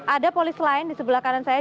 ada polis lain di sebelah kanan saya